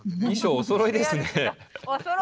おそろいですね。